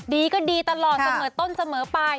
ดีก็ดีตลอดเสมอต้นเสมอไป